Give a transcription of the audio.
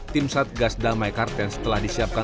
tim satgas damai kartens telah disiapkan